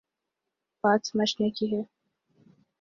بات سمجھنے کی ہے۔